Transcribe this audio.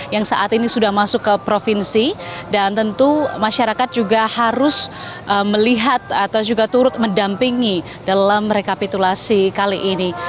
yang saat ini sudah masuk ke provinsi dan tentu masyarakat juga harus melihat atau juga turut mendampingi dalam rekapitulasi kali ini